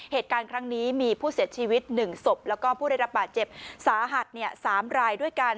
เหตุการณ์ครั้งนี้มีผู้เสียชีวิต๑ศพแล้วก็ผู้ได้รับบาดเจ็บสาหัส๓รายด้วยกัน